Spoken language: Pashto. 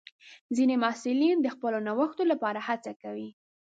ځینې محصلین د خپلو نوښتونو لپاره هڅه کوي.